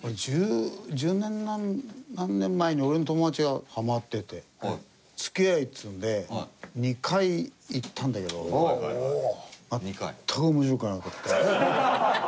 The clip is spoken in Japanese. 十何年前に俺の友達がハマってて付き合えっつうんで２回行ったんだけど全く面白くなかった。